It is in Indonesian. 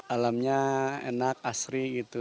alamnya enak asri gitu